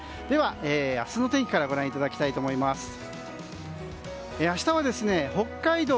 では、明日の天気からご覧いただきたいと思います。